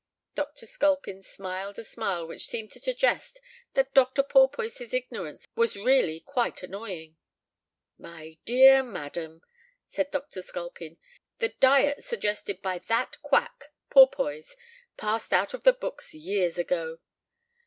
Dr. Sculpin smiled a smile which seemed to suggest that Dr. Porpoise's ignorance was really quite annoying. "My dear madam," said Dr. Sculpin, "the diet suggested by that quack, Porpoise, passed out of the books years ago.